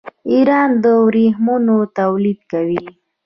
ایران د ورېښمو تولید کوي.